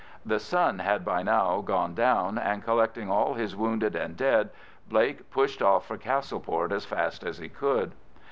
The sun had by now gone down, and collecting all his wounded and dead, Blake pushed off for Castleport as fast as he could.